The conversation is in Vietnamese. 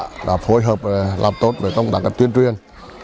và ông án xã đã phối hợp làm tốt với công tác tuyên truyền